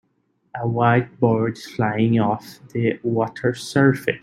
A white bird is flying off the water surface.